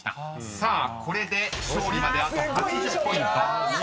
［さあこれで勝利まであと８０ポイント］